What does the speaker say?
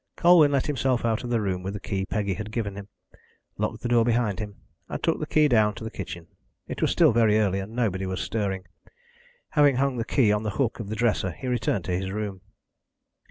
Colwyn let himself out of the room with the key Peggy had given him, locked the door behind him, and took the key down to the kitchen. It was still very early, and nobody was stirring. Having hung the key on the hook of the dresser, he returned to his room.